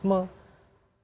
itu memang perubahan